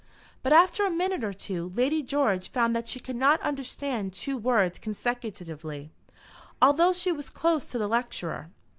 But after a minute or two Lady George found that she could not understand two words consecutively, although she was close to the lecturer.